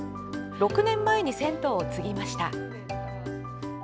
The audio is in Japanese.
６年前に、銭湯を継ぎました。